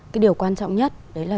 cái điều quan trọng nhất đấy là